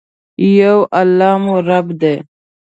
یو الله مو رب دي.